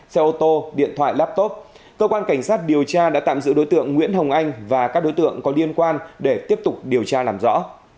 xe ô tô điện thoại laptop cơ quan cảnh sát điều tra đã tạm giữ đối tượng nguyễn hồng anh và các đối tượng có liên quan để tiếp tục điều tra làm rõ